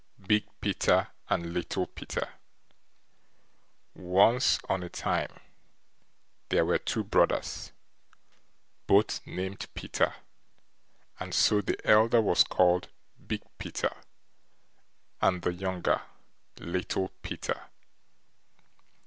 BIG PETER AND LITTLE PETER Once on a time there were two brothers, both named Peter, and so the elder was called Big Peter, and the younger Little Peter.